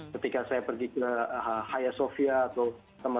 ketika saya pergi ke haya sofia atau teman